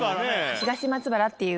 東松原っていう。